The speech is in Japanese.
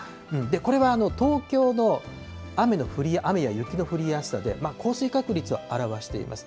これは東京の雨や雪の降りやすさで、降水確率を表しています。